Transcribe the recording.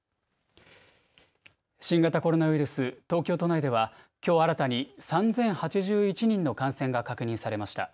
新型コロナウイルス、東京都内ではきょう新たに３０８１人の感染が確認されました。